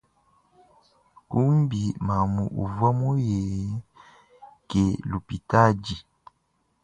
Kumbi mamu uvua muye ke lupitadi.